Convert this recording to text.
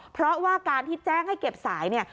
เพราะว่าการที่แจ้งให้เก็บสายเนี่ย